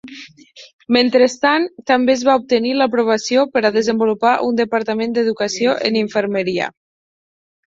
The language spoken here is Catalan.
Mentrestant, també es va obtenir l'aprovació per a desenvolupar un departament d'educació en infermeria.